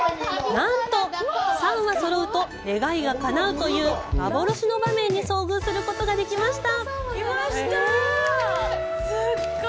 なんと、３羽そろうと願いがかなうという幻の場面に遭遇することができました！